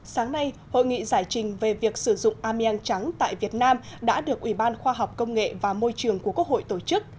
sáng nay hội nghị giải trình về việc sử dụng ameang trắng tại việt nam đã được ủy ban khoa học công nghệ và môi trường của quốc hội tổ chức